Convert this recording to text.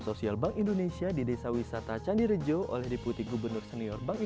baginya di indonesia perry warji leurs memakai vasedi oleh deputika gubernur rosmayah hadi